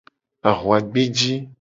Ahuagbeji.